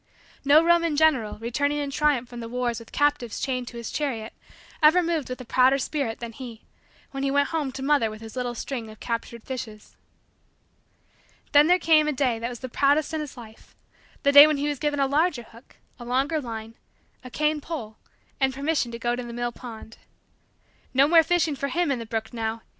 No Roman general, returning in triumph from the wars with captives chained to his chariot, ever moved with a prouder spirit than he, when he went home to mother with his little string of captured fishes. Then there came a day that was the proudest in his life the day when he was given a larger hook, a longer line, a cane pole, and permission to go to the mill pond. No more fishing for him in the brook now!